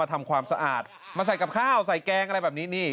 ทำความสะอาดมาใส่กับข้าวใส่แกงอะไรแบบนี้นี่